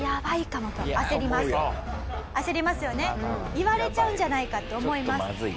言われちゃうんじゃないかって思います。